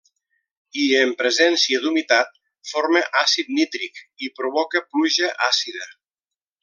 I, en presència d'humitat forma àcid nítric i provoca pluja àcida.